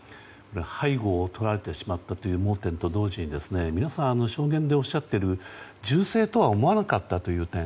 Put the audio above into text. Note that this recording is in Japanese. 背後をとられてしまったという盲点と同時に皆さん、証言でおっしゃっている銃声とは思わなかったという点